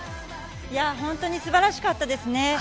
本当に素晴らしかったですね。